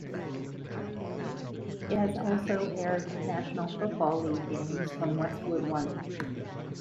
It has also aired National Football League games from Westwood One.